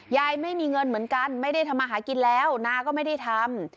ยายไม่มีเงินเหมือนกันไม่ได้ทำมาหากินแล้วนาก็ไม่ได้ทำ